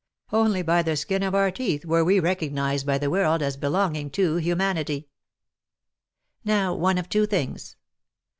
Only by the skin of our teeth were we recognized by the world as belonging to humanity ! Now, one of two things.